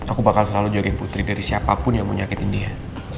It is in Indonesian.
aku bakal selalu jagain putri dari siapapun yang menyakiti dia